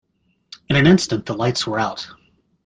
In an instant the lights were out.